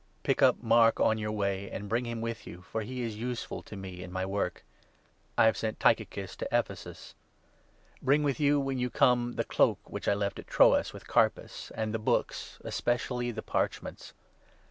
n Pick up Mark on your way, and bring him with you, for he is 8 I*a. a. n. II. TIMOTHY, 4. 421 useful to me in my work. I have sent Tychicus to Ephesus. 12 Bring with you, when you come, the cloak which I left at 13 Troas with Carpus, and the books, especially the parch ments.